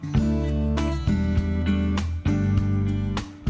trong những năm trước